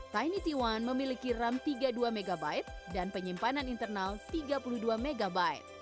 tinity one memiliki ram tiga puluh dua mb dan penyimpanan internal tiga puluh dua mb